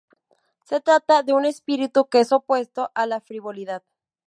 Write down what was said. Se trata de un espíritu que es opuesto a la frivolidad.